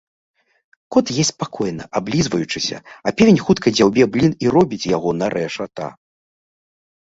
Кот есць спакойна, аблізваючыся, а певень хутка дзяўбе блін і робіць яго на рэшата.